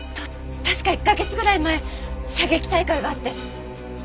確か１カ月ぐらい前射撃大会があって。